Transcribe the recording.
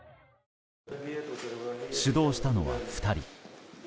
主導したのは２人。